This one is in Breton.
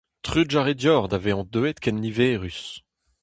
Trugarez deoc'h da vezañ deuet ken niverus.